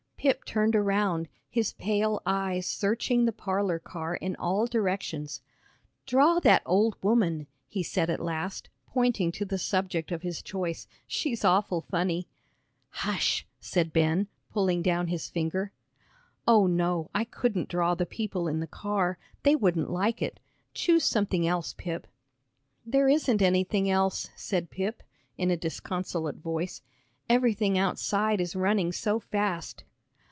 Pip turned around, his pale eyes searching the parlor car in all directions. "Draw that old woman," he said at last, pointing to the subject of his choice; "she's awful funny." "Hush!" said Ben, pulling down his finger. "Oh, no, I couldn't draw the people in the car; they wouldn't like it. Choose something else, Pip." "There isn't anything else," said Pip, in a disconsolate voice. "Everything outside is running so fast."